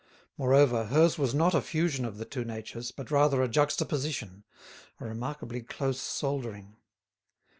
Moreover, hers was not a fusion of the two natures, but rather a juxtaposition, a remarkably close soldering.